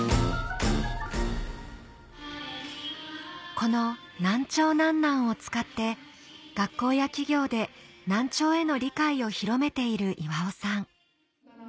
この『なんちょうなんなん』を使って学校や企業で難聴への理解を広めている岩尾さん